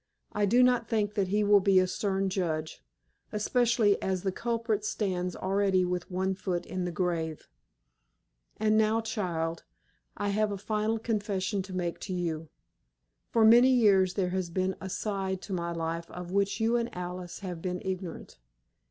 I do not think that he will be a stern judge, especially as the culprit stands already with one foot in the grave. "And now, child, I have a final confession to make to you. For many years there has been a side to my life of which you and Alice have been ignorant.